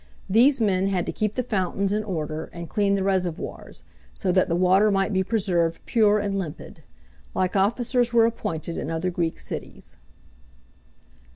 These men had to keep the fountains in order and clean the reservoirs, so that the water might be preserved pure and limpid. Like officers were appointed in other Greek cities.